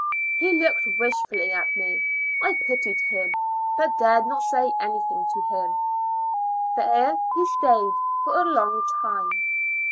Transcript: He looked wishfully at me. I pitied him, but dared not say anything to him ; here he stayed for a long time.